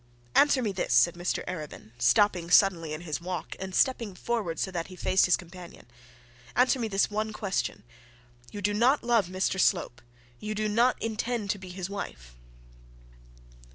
'Answer me this,' said Mr Arabin, stopping suddenly in his walk, and stepping forward so that he faced his companion. 'Answer me this question. You do not love Mr Slope? You do not intend to be his wife?'